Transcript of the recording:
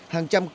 hàng trăm cư